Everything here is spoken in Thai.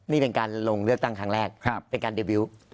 นี่เป็นการลงเลือกตั้งครั้งแรกเป็นการเดบิวต์